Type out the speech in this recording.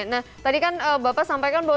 nah tadi kan bapak sampaikan bahwa